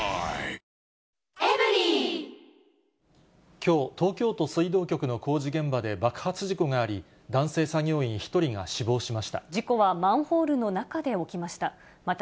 きょう、東京都水道局の工事現場で爆発事故があり、男性作業員１人が死亡事故はマンホールの中で起きました。